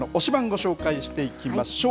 ご紹介していきましょう。